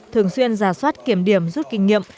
thường xuyên giả soát kiểm điểm rút kinh nghiệm